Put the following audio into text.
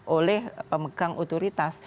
oleh pemegang otoritas